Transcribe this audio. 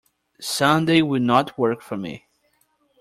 Sunday will not work for me.